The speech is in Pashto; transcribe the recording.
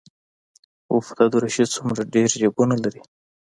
اوف دا دريشي څومره ډېر جيبونه لري.